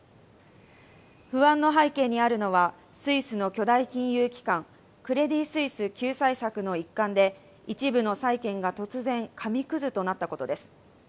不安の背景にあるのは、スイスの巨大金融機関クレディ・スイス救済策の一環で、一部の債券が突然紙くずとなったことです。